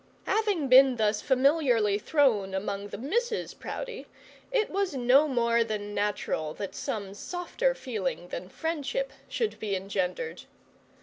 Having been thus familiarly thrown among the Misses Proudie, it was more than natural that some softer feeling than friendship should be engendered.